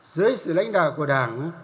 dưới sự lãnh đạo của đảng